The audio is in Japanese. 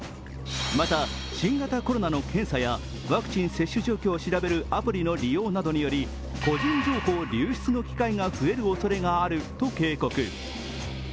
また新型コロナの検査やワクチン接種状況を調べるアプリの利用などにより個人情報流出の機会が増えるおそれがあると警告。